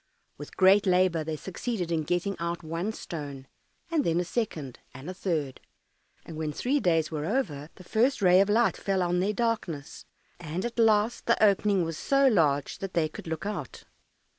With great labour they succeeded in getting out one stone, and then a second, and a third, and when three days were over the first ray of light fell on their darkness, and at last the opening was so large that they could look out.